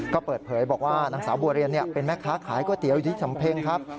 ก็เปิดเผยบอกว่านางสาวบัวเรียนเป็นแม่ค้าขายก๋วยเตี๋ยวอยู่ที่สำเพ็งครับ